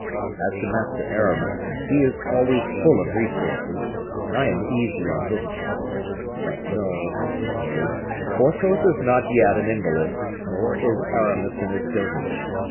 As to Master Aramis, he is always full of resources, and I am easy on his account. But, no, no; Porthos is not yet an invalid, nor is Aramis in his dotage.